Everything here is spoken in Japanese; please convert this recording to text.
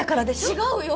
違うよ。